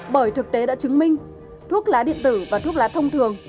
bởi thực tế đã chứng minh thuốc lá điện tử và thuốc lá thông thường